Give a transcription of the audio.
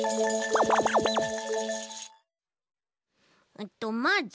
えっとまず。